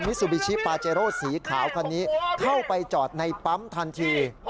ซูบิชิปาเจโร่สีขาวคันนี้เข้าไปจอดในปั๊มทันที